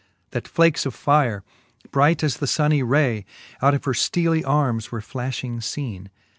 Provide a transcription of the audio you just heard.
That flakes of fire, bright as the funny ray. Out of her fteely armes were flafliing feene